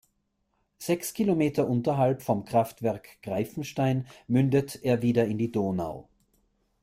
Sechs Kilometer unterhalb vom Kraftwerk Greifenstein mündet er wieder in die Donau.